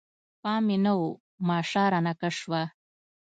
پام مې نه و، ماشه رانه کش شوه.